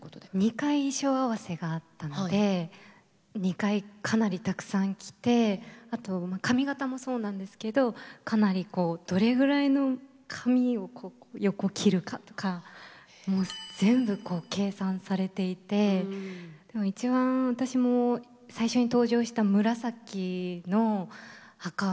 ２回衣装合わせがあったので２回かなりたくさん着てあと髪形もそうなんですけどかなりこうどれぐらいの髪を横切るかとかもう全部計算されていてでも一番私も最初に登場した紫の袴が一番好きでしたね。